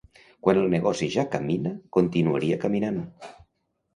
Quan el negoci ja camina, continuaria caminant